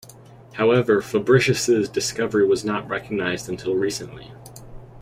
However, Fabricius' discovery was not recognized until recently.